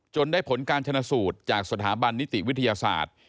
ได้ผลการชนะสูตรจากสถาบันนิติวิทยาศาสตร์